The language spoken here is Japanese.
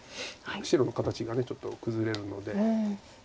白の形がちょっと崩れるので。